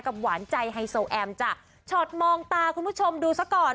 หวานใจไฮโซแอมจ้ะช็อตมองตาคุณผู้ชมดูซะก่อน